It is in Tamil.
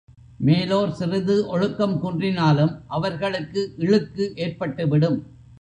மேலோர் சிறிது ஒழுக்கம் குன்றினாலும் அவர்களுக்கு இழுக்கு ஏற்பட்டு விடும்.